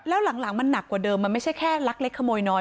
แล้วหลังมันหนักกว่าเดิมมันไม่ใช่แค่ลักเล็กขโมยน้อย